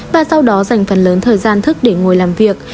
và sau đó dành phần lớn thời gian thức để ngồi làm việc